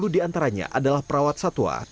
satu ratus empat puluh di antaranya adalah perawat satwa